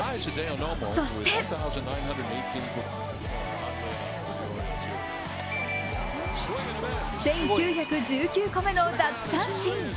そして１９１９個目の奪三振！